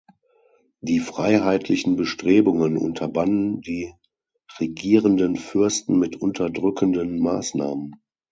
Die freiheitlichen Bestrebungen unterbanden die regierenden Fürsten mit unterdrückenden Maßnahmen.